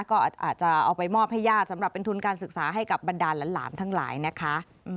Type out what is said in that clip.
ก็อาจจะเอาไปมอบให้ญาติสำหรับเป็นทุนการศึกษาให้กับบรรดาหลานทั้งหลายนะคะ